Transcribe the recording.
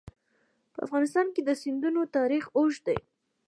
په افغانستان کې د سیندونه تاریخ اوږد دی.